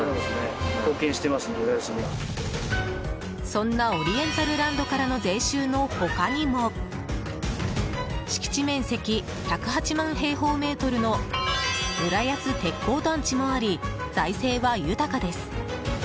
そんなオリエンタルランドからの税収の他にも敷地面積１０８万平方メートルの浦安鉄鋼団地もあり財政は豊かです。